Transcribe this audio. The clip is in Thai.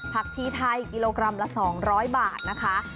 ชีไทยกิโลกรัมละ๒๐๐บาทนะคะ